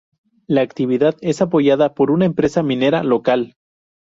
La actividad es apoyada por una empresa minera local.